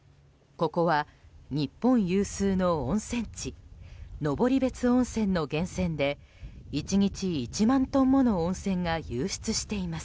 ここは、日本有数の温泉地登別温泉の源泉で１日１万トンもの温泉が湧出しています。